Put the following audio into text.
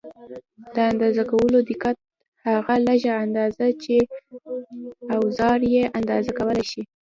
د اندازه کولو دقت: هغه لږه اندازه چې اوزار یې اندازه کولای شي.